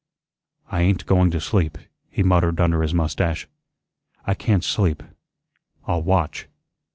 "I ain't going to sleep," he muttered under his mustache. "I can't sleep; I'll watch."